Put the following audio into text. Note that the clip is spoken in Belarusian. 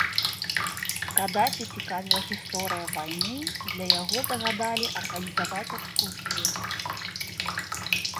Кадафі цікавіла гісторыя вайны, і для яго загадалі арганізаваць экскурсію.